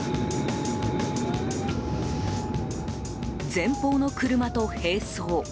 前方の車と並走。